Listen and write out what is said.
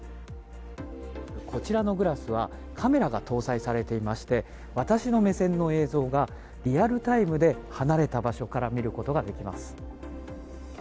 こちらのグラスはカメラが搭載されていまして私の目線の映像がリアルタイムで離れた場所から見ることができます。